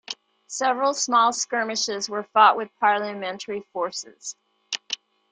Several small skirmishes were fought with Parliamentary forces.